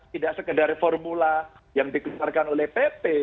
tidak sekedar formula yang dikeluarkan oleh pp